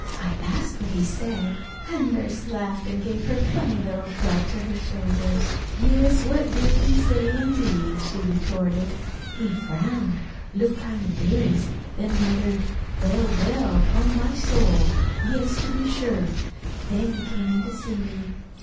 I asked what he said, and Nurse laughed and gave her funny little shrug to her shoulders. "Yes, what did he say, indeed?" she retorted. "He frowned, looked kind of dazed, then muttered: 'Well, well, upon my soul! Yes, to be sure!'" Then he came in to see me.